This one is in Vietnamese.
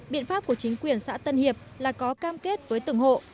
biện pháp của chính quyền xã tân hiệp là có cam kết với từng hộ